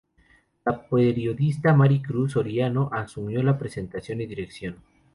La periodista Mari Cruz Soriano asumió la presentación y dirección.